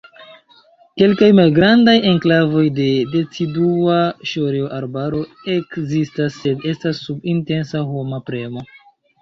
Kelkaj malgrandaj enklavoj de decidua ŝoreo-arbaro ekzistas, sed estas sub intensa homa premo.